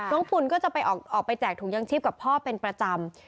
ปุ่นก็จะไปออกไปแจกถุงยังชีพกับพ่อเป็นประจำ